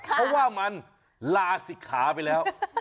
เพราะว่ามันลาศิกขาไปแล้ว